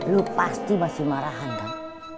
lu pasti masih marah antan